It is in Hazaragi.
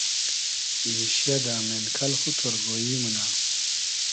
میشیۂ دۂ مېنکئل خو تۉرگۉیی مونۂ